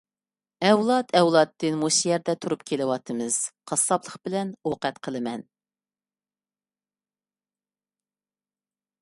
ئەۋلاد - ئەۋلادتىن مۇشۇ يەردە تۇرۇپ كېلىۋاتىمىز، قاسساپلىق بىلەن ئوقەت قىلىمەن.